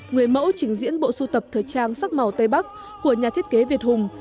người mẫu trình diễn bộ xu tập thời trang sắc màu tây bắc của nhà thiết kế việt hùng